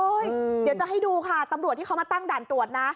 เดี๋ยวจะให้ดูค่ะตำรวจที่เขามาตั้งด่านตรวจนะ